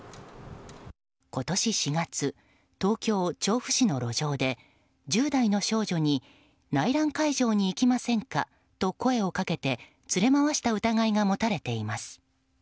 今年４月、東京・調布市の路上で１０代の少女に内覧会場に行きませんかと声をかけて連れ回した疑いが持たれています。